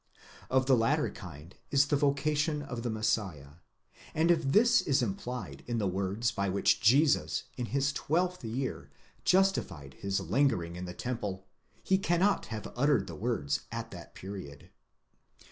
Of the latter kind is the vocation of the Messiah, and if this is implied in the words by which Jesus in his twelfth year justified his lingering in the temple, he cannot have uttered the words at that period.